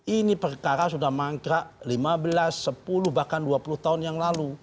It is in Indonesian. ini perkara sudah mangkrak lima belas sepuluh bahkan dua puluh tahun yang lalu